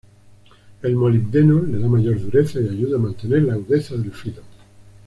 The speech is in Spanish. El molibdeno le da mayor dureza y ayuda a mantener la agudeza del filo.